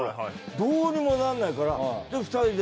どうにもなんないから。